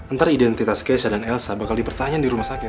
antara identitas keisha dan elsa bakal dipertanya di rumah sakit